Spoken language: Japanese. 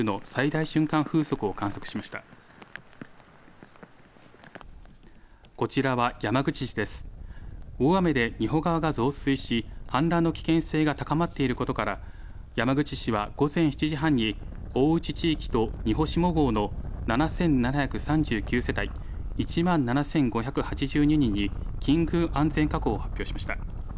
大雨で仁保川が増水し、氾濫の危険性が高まっていることから、山口市は午前７時半に、大内地域と仁保下郷の７７３９世帯、１万７５８２人に緊急安全確保を発表しました。